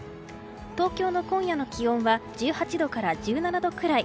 東京の今夜の気温は１８度から１７度くらい。